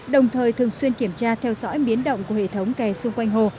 đồng thời thường xuyên kiểm tra theo dõi biến động của hệ thống kè xung quanh hồ